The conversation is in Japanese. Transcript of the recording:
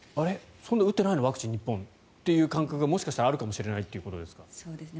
そんな日本はワクチン打ってないのという感覚がもしかしたらあるかもしれないということですかね。